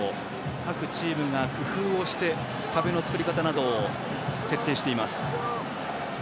各チームが工夫をして、壁の作り方などを設定しています。